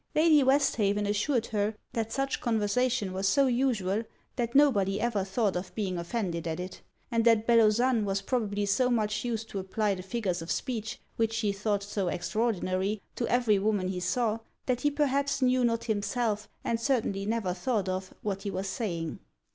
Lady Westhaven assured her that such conversation was so usual that nobody ever thought of being offended at it; and that Bellozane was probably so much used to apply the figures of speech, which she thought so extraordinary, to every woman he saw, that he perhaps knew not himself, and certainly never thought of, what he was saying.